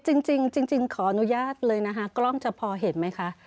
จริงขออนุญาตเลยนะคะกล้องจะพอเห็นไหมคะ